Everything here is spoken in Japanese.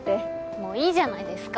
もういいじゃないですか。